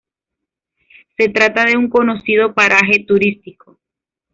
Se trata de un conocido paraje turístico.